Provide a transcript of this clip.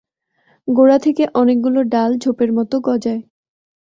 গোড়া থেকে অনেকগুলো ডাল ঝোপের মত গজায়।